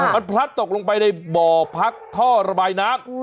มันพลัดตกลงไปในบ่อพักท่อระบายน้ำ